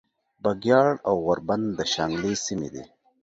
بګیاړ او غوربند د شانګلې سیمې دي